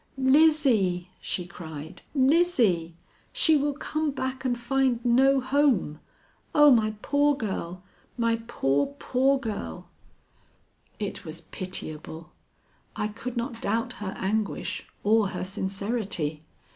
"Lizzie!" she cried. "Lizzie! She will come back and find no home. Oh, my poor girl! My poor, poor girl!" It was pitiable. I could not doubt her anguish or her sincerity.